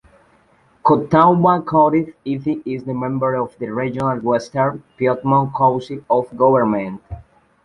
Catawba County is a member of the regional Western Piedmont Council of Governments.